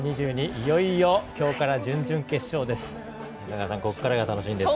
いよいよ今日から準々決勝です。